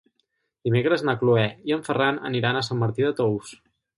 Dimecres na Cloè i en Ferran aniran a Sant Martí de Tous.